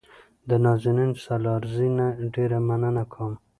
د نازنین سالارزي نه ډېره مننه کوم.